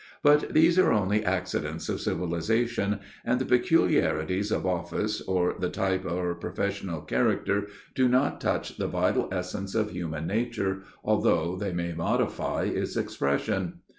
But these are only accidents of civilization, and the peculiarities of office or the type or professional character do not touch the vital essence of human nature, although they may modify its expression.